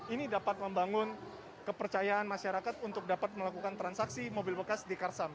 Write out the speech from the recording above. ini dapat membangun kepercayaan masyarakat untuk dapat melakukan transaksi mobil bekas di karsam